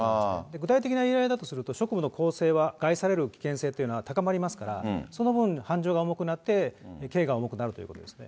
具体的な依頼だとすると、職務の公正は害される危険性というのが高まりますから、その分、犯情が重くなって、刑が重くなるということですね。